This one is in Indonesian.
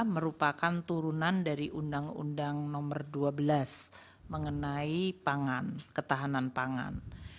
merupakan turunan dari undang undang nomor dua belas mengenai pangan ketahanan pangan